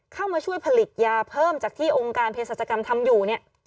เข้ามาช่วยผลิตยาเพิ่มจากที่องค์การเพศรัชกรรมทำอยู่เนี่ย